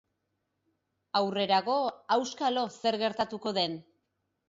Aurrerago, auskalo zer gertatuko den.